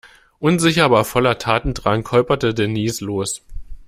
Unsicher, aber voller Tatendrang holperte Denise los.